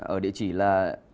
ở địa chỉ là